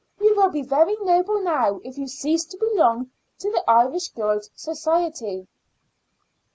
You will be very noble now if you cease to belong to the Irish Girls' Society."